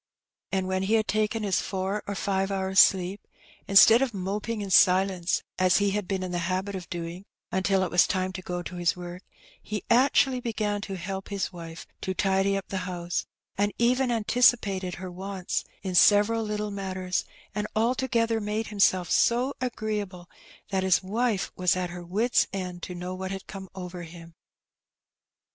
And when An Experiment. 175 he had taken his four or five hours' sleep, instead of moping in silence, as he had been in the habit of doing, until it was time to go to his work, he actually began to help his wife to tidy up the house, and even anticipated her wants in several little matters, and altogether ihade himself so agreeable, that his wife was at her wits' end to know what had come over him.